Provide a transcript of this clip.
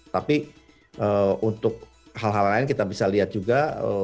tapi untuk hal hal lain kita bisa lihat juga